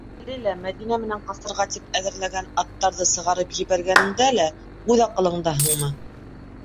Әле лә, Мәҙинә менән ҡасырға тип әҙерләгән аттарҙы сығарып ебәргәнеңдә лә, үҙ аҡылыңдаһыңмы?!